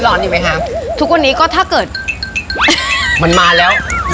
เห็นเห็นเหมือนไอ้ตายอยู่ไปมาแล้ว